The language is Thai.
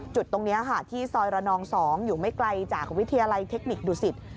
จุดตรงนี้ค่ะที่ซอยระนอง๒อยู่ไม่ไกลจากวิทยาลัยเทคนิคดุสิต